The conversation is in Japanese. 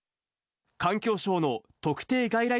環境省の特定外来